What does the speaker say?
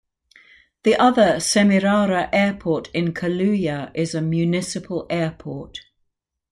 The other, "Semirara Airport" in Caluya is a municipal airport.